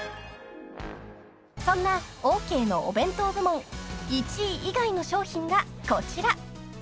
［そんなオーケーのお弁当部門１位以外の商品がこちら］